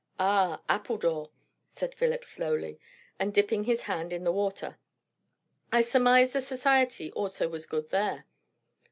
"Ah! Appledore," said Philip slowly, and dipping his hand in the water. "I surmise the society also was good there?"